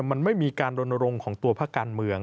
มันไม่มีการรณรงค์ของตัวภาคการเมือง